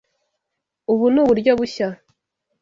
Ubu ni uburyo bushya.